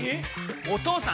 お義父さん！